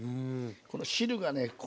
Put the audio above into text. この汁がね